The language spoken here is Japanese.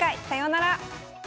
さようなら！